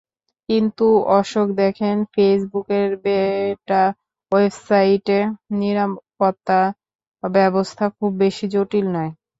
কিন্তু অশোক দেখেন, ফেসবুকের বেটা ওয়েবসাইটে নিরাপত্তা ব্যবস্থা খুব বেশি জটিল নয়।